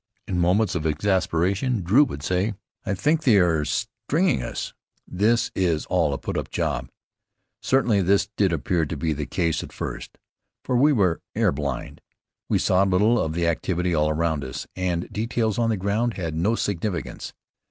In moments of exasperation Drew would say, "I think they are stringing us! This is all a put up job!" Certainly this did appear to be the case at first. For we were air blind. We saw little of the activity all around us, and details on the ground had no significance.